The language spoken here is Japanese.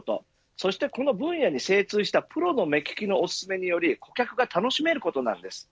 そしてこの分野に精通したプロの目利きのお勧めにより顧客が楽しめることです。